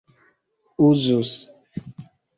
uzus